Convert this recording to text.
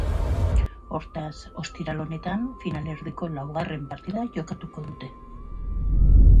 Hortaz, ostiral honetan, finalerdietako laugarren partida jokatuko dute.